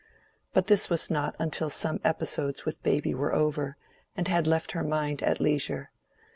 But this was not until some episodes with baby were over, and had left her mind at leisure.